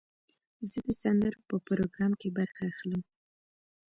زه د سندرو په پروګرام کې برخه اخلم.